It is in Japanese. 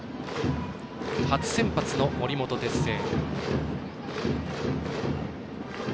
初先発の森本哲星。